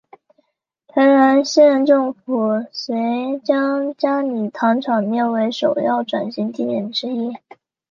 台南县政府遂将佳里糖厂列为首要转型地点之一。